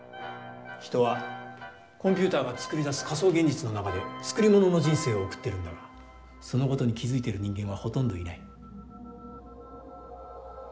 人はコンピューターが作り出す仮想現実の中で作りものの人生を送っているんだがそのことに気付いている人間はほとんどいない。